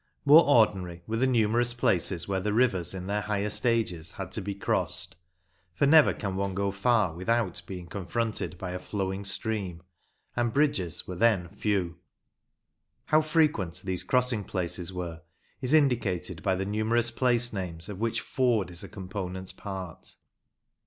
More ordinary were the numerous places where the rivers in their higher stages had to be crossed, for never can one go far without being confronted by a flowing stream, and bridges were then few. How frequent these crossing places were is indicated by the numerous place names of which " ford " is a component part.